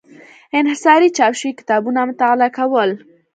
انحصاري چاپ شوي کتابونه مطالعه کول.